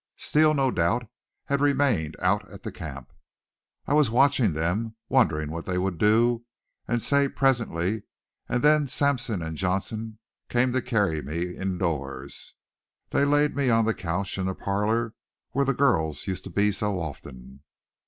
Steele, no doubt, had remained out at the camp. I was watching them, wondering what they would do and say presently, and then Sampson and Johnson came to carry me indoors. They laid me on the couch in the parlor where the girls used to be so often.